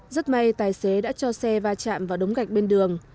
rất may tài xế đã cho xe va chạm vào đống gạch bên đường